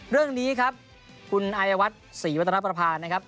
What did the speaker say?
เรื่องนี้ครับคุณอายวัฒน์ศรีวัตนประพานะครับ